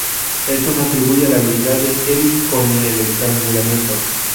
Esto se atribuye a la habilidad de Erik con el estrangulamiento.